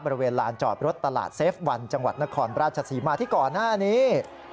บริเวณลานจอดรถตลาดเซฟวันจังหวัดนครราชศรีมาที่ก่อนหน้านี้